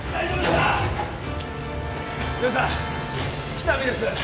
喜多見です